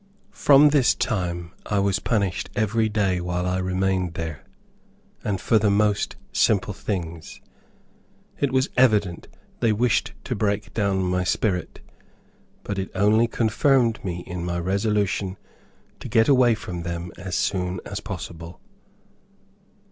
From this time I was punished every day while I remained there, and for the most simple things. It was evident they wished to break down my spirit, but it only confirmed me in my resolution to get away from them as soon as possible.